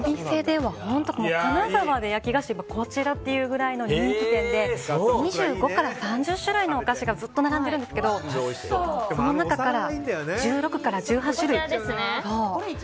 金沢で焼き菓子っていったらこちらっていうぐらいの人気店で２５から３０種類のお菓子がずっと並んでるんですけどその中から１６から１８種類。